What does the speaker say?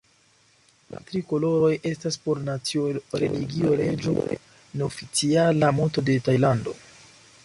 La tri koloroj estas por nacio-religio-reĝo, neoficiala moto de Tajlando.